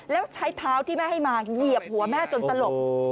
แล้วใช้เท้าที่แม่ให้มาเหยียบหัวแม่จนสลบ